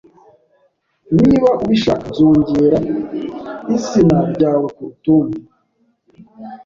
Niba ubishaka, nzongera izina ryawe kurutonde